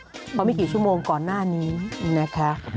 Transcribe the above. เพราะไม่กี่ชั่วโมงก่อนหน้านี้นะคะ